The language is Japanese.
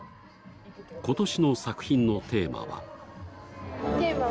今年の作品のテーマは。